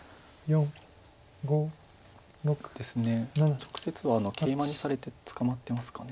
直接はケイマにされて捕まってますか。